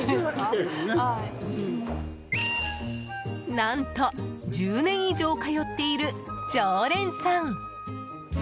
何と１０年以上通っている常連さん。